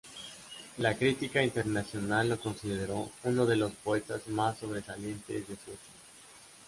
La crítica internacional lo consideró uno de los poetas más sobresalientes de Suecia.